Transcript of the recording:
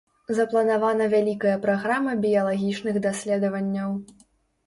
Запланавана вялікая праграма біялагічных даследаванняў.